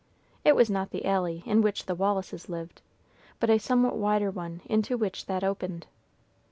It was not the alley in which the Wallises lived, but a somewhat wider one into which that opened.